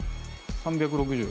３６０。